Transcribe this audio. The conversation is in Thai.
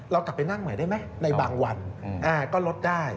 เรากลับไปนั่งใหม่ได้ไหมในบางวันก็ลดได้